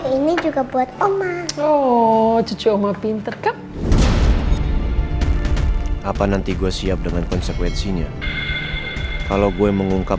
ini juga buat om ah oh cuma pinter kek apa nanti gua siap dengan konsekuensinya kalau gue mengungkap